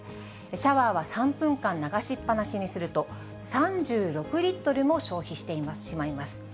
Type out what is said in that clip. シャワーは３分間流しっぱなしにすると、３６リットルも消費してしまいます。